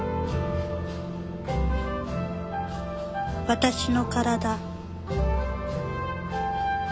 私の身体。